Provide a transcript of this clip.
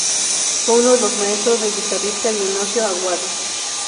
Fue uno de los maestros del guitarrista Dionisio Aguado.